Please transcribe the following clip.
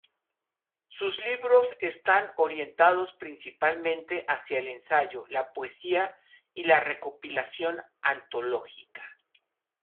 Sus libros están orientados principalmente hacia el ensayo, la poesía y la recopilación antológica.